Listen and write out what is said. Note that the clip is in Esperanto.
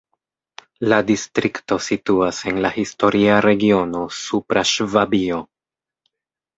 La distrikto situas en la historia regiono Supra Ŝvabio.